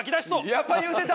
やっぱ言うてた！